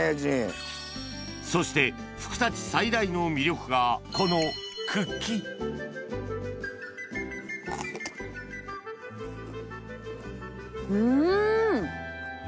そしてふくたち最大の魅力がこのうん！